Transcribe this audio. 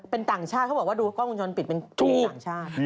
เป็นต่างชาติเขาบอกว่าดูกล้องวงจรปิดเป็นต่างชาติ